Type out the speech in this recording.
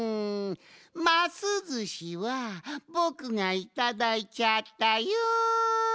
ますずしはぼくがいただいちゃったよん！